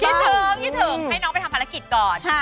คิดถึงคิดถึงให้น้องไปทำภารกิจก่อน